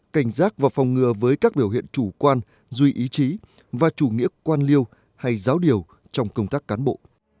cảnh giác và phòng ngừa với các biểu hiện chủ quan duy ý chí và chủ nghĩa quan liêu hay giáo điều trong công tác cán bộ